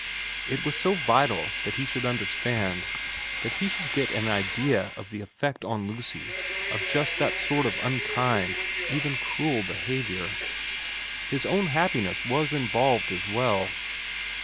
It was so vital that he should under stand, that he should get an idea of the effect on Lucy of just that sort of unkind, even cruel behaviour. His own happiness was involved as well.